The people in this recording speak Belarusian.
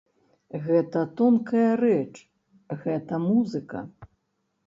Гэта тонкая рэч, гэта музыка.